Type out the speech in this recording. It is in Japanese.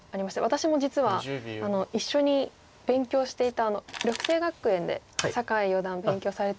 私も実は一緒に勉強していた緑星学園で酒井四段勉強されていて。